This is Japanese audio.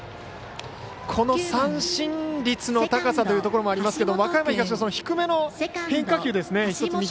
この三振率の高さというところもありますけども和歌山東の低めの変化球ですね。